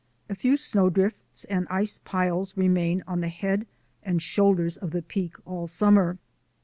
A few snow drifts and ice piles remain on the head and shoulders of the Peak all summer.